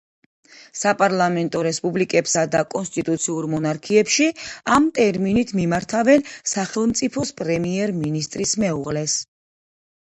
საპარლამენტო რესპუბლიკებსა და კონსტიტუციურ მონარქიებში, ამ ტერმინით მიმართავენ სახელმწიფოს პრემიერ-მინისტრის მეუღლეს.